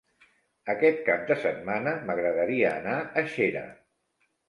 Aquest cap de setmana m'agradaria anar a Xera.